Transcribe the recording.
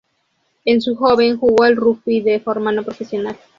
En su juventud jugó al rugby de forma no profesional.